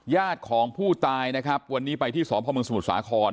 ญาติของผู้ตายนะครับวันนี้ไปที่สพมสมุทรสาคร